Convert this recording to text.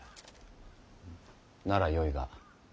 ならよいが。